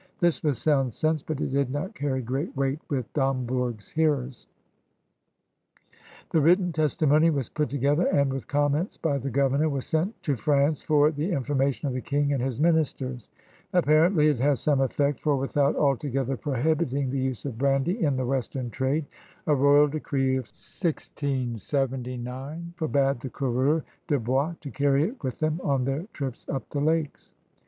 This was sound sense, but it did not carry great weight with Dombourg's hearersl The written testimony was put together and, with conmients by the governor, was sent to France for the information of the King and his ministers. Apparently it had some effect, for, without altogether prohibiting the use of brandy in the western trade, a royal decree of 1679 forbade the coureurS'de bois to carry it with them on their trips up the lakes.